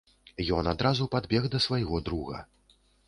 Ён адразу падбег да свайго друга.